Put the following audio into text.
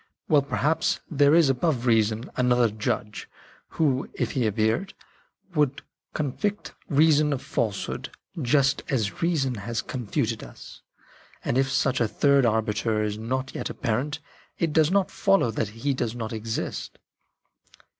Well, perhaps, there is above reason another judge who, if he appeared, would con vict reason of falsehood, just as reason has con futed us. And if such a third arbiter is not yet apparent, it does not follow that he does not exist."